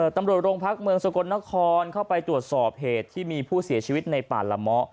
ตำรวจโรงพักเมืองสกลนครเข้าไปตรวจสอบเหตุที่มีผู้เสียชีวิตในป่าละเมาะ